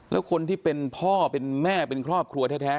แล้วคนที่เป็นพ่อเป็นแม่เป็นครอบครัวแท้